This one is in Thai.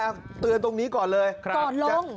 อยากเตือนตรงนี้ก่อนเลยก่อนลง